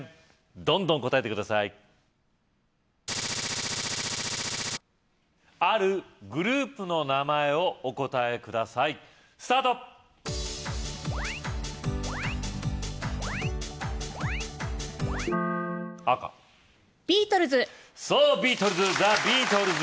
どんどん答えて下さいあるグループの名前をお答えくださいスタート赤ＢＥＡＴＬＥＳ